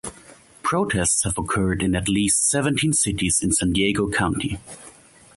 Protests have occurred in at least seventeen cities in San Diego County.